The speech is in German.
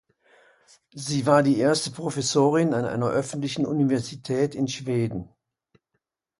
Sie war die erste Professorin an einer öffentlichen Universität in Schweden.